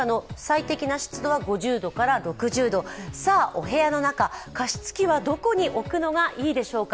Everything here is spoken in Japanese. お部屋の中、加湿器はどこに置くのがいいでしょうか。